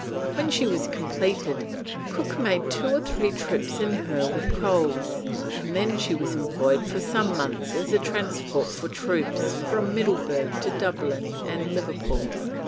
When she was completed, Cook made two or three trips in her with coals, and then she was employed for some months as a transport for troops from Middleburg to Dublin and Liverpool.